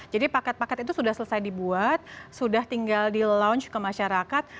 jadi paket paket itu sudah selesai dibuat sudah tinggal di launch ke masyarakat